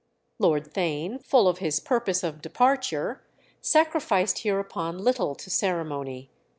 Lord Theign, full of his purpose of departure, sacrificed hereupon little to ceremony.